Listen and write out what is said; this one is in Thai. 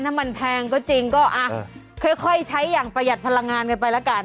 แพงก็จริงก็ค่อยใช้อย่างประหยัดพลังงานกันไปแล้วกัน